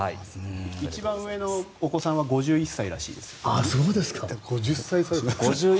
一番上のお子さんは５１歳らしいです。